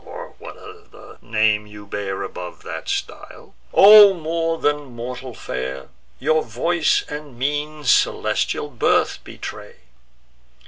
or what other name you bear Above that style; O more than mortal fair! Your voice and mien celestial birth betray!